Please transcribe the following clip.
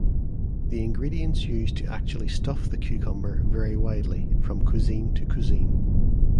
The ingredients used to actually stuff the cucumber vary widely from cuisine to cuisine.